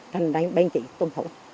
thành đáng bên chị tuân thủ